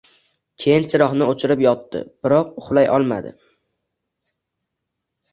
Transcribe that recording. Keyin chiroqni oʻchirib yotdi, biroq uxlay olmadi